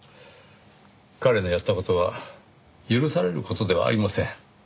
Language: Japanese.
彼のやった事は許される事ではありません。